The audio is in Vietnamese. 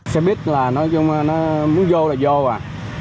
xe buýt là nói chung nó muốn vô là vô à